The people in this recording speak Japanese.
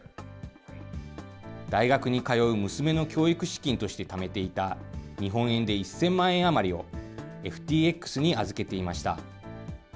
大学に通う娘の教育資金としてためていた、日本円で１０００万円余りをＦＴＸに預けていました。